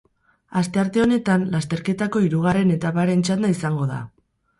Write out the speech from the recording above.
Astearte honetan, lasterketako hirugarren etaparen txanda izango da.